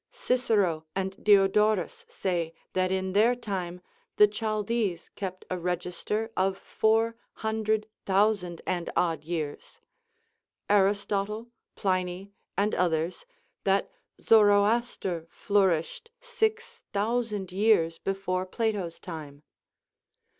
Cicero and Diodorus say that in their time the Chaldees kept a register of four hundred thousand and odd years, Aristotle, Pliny, and others, that Zoroaster flourished six thousand years before Plato's time.